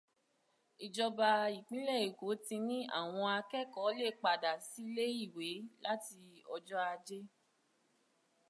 Ìjọba ìpínlẹ̀ Èkó ti ní àwọn akẹ́kọ̀ọ́ lè padà sílé ìwé láti ọjọ́ Ajé.